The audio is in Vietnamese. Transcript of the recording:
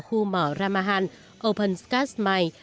tại khu mỏ ramahan open scars mine